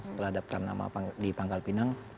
setelah daftar nama di pangkal pinang